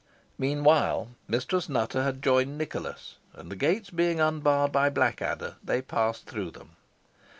Meanwhile, Mistress Nutter had joined Nicholas, and the gates being unbarred by Blackadder, they passed through them.